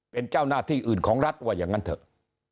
เป็นเจ้าหน้าที่อื่นของรัฐว่าอย่างนั้นเถอะ